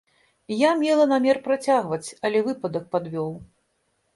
Я мела намер працягваць, але выпадак падвёў.